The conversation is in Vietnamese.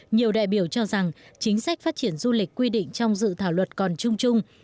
nhiều đại biểu cho rằng chính sách phát triển du lịch quy định trong dự thảo luật còn chung chung